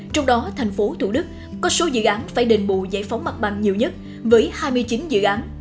trong đó tp hcm có số dự án phải đền bộ giải phóng mặt bằng nhiều nhất với hai mươi chín dự án